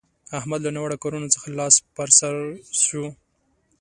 احمد له ناوړه کارونه څخه لاس پر سو شو.